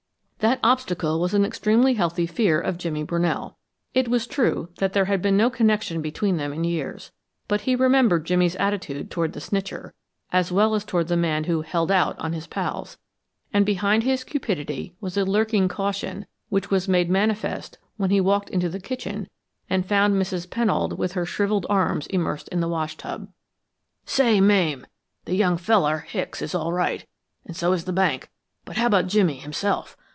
That obstacle was an extremely healthy fear of Jimmy Brunell. It was true that there had been no connection between them in years, but he remembered Jimmy's attitude toward the "snitcher," as well as toward the man who "held out" on his pals; and behind his cupidity was a lurking caution which was made manifest when he walked into the kitchen and found Mrs. Pennold with her shriveled arms immersed in the washtub. "Say, Mame, the young feller, Hicks, is all right, and so is the bank; but how about Jimmy himself?